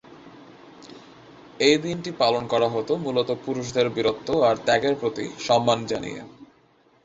এই দিনটি পালন করা হতো মূলত পুরুষদের বীরত্ব আর ত্যাগের প্রতি সম্মান জানিয়ে।